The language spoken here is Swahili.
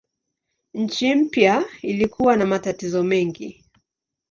Nchi mpya ilikuwa na matatizo mengi.